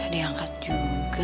gak diangkat juga